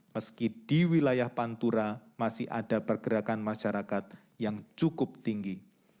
meski di wilayah pantura masih ada pergerakan masyarakat yang cukup tinggi